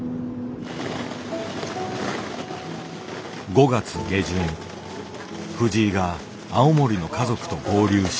５月下旬藤井が青森の家族と合流した。